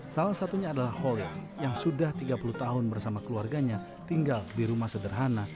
salah satunya adalah holil yang sudah tiga puluh tahun bersama keluarganya tinggal di rumah sederhana